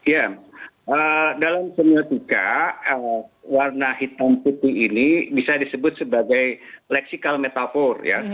ya dalam semiotika warna hitam putih ini bisa disebut sebagai leksikal metafor ya